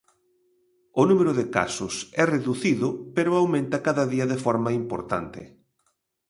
O número de casos é reducido pero aumenta cada día de forma importante.